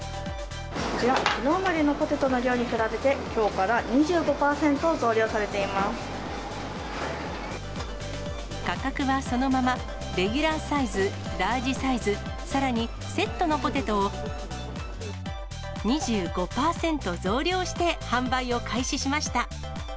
こちら、きのうまでのポテトの量に比べて、きょうから２５％増量されていま価格はそのまま、レギュラーサイズ、ラージサイズ、さらにセットのポテトを、２５％増量して販売を開始しました。